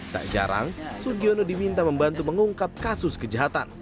tak jarang sugiono diminta membantu mengungkap kasus kejahatan